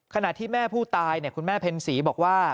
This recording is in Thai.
ขณะที่แม่ผู้ตายคุณแม่เพ็ญศรีบอกว่า